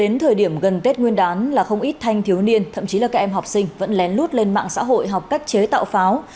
đến thời điểm gần tết nguyên đán là không ít thanh thiếu niên thậm chí là các em học sinh vẫn lén lút lên mạng xã hội học cách chế tạo pháo